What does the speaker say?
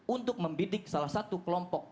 untuk membidik salah satu kelompok